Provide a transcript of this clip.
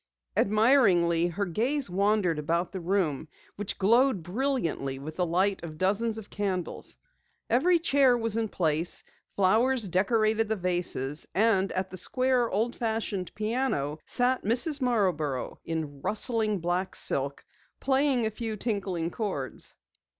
Admiringly, her gaze wandered about the room which glowed brilliantly with the light of dozens of candles. Every chair was in place, flowers decorated the vases, and at the square, old fashioned piano, sat Mrs. Marborough, in rustling black silk, playing a few tinkling chords.